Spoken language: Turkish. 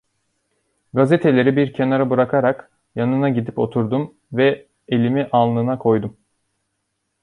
Gazeteleri bir kenara bırakarak, yanına gidip oturdum ve elimi alnına koydum.